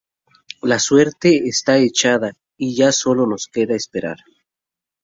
La suerte está echada y ya solo nos queda esperar